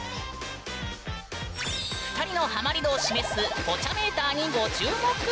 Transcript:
２人のハマり度を示すポチャメーターにご注目。